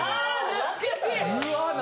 懐かしい！